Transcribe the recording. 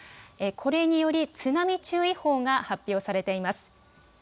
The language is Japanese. これにより津波注意報が発表されています。